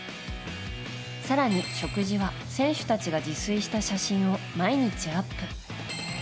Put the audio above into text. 更に食事は選手たちが自炊した写真を毎日アップ。